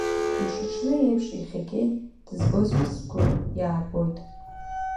Мшаҽны еиԥш иахьагьы дызбозшәа сгәы иабоит…